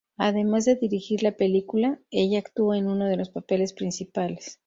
Además de dirigir la película, ella actuó en uno de los papeles principales.